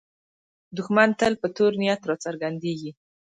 دښمن تل په تور نیت راڅرګندېږي